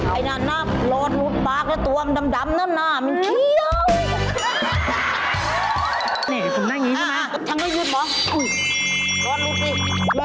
ไอ้หน้ารอดหลุดปากแล้วตัวมันดำหน้ามันเคี้ยว